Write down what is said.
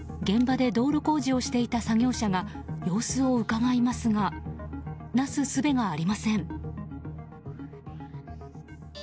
現場で道路工事をしていた作業者が様子をうかがいますがなすすべがありません。